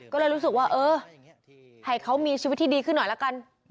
ก็เลยรู้สึกว่าเออให้เขามีชีวิตที่ดีขึ้นหน่อยละกัน